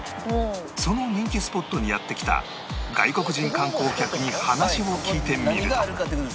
その人気スポットにやって来た外国人観光客に話を聞いてみると